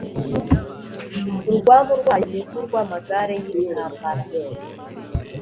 Urwamu rwayo ni nk’urw’amagare y’intambara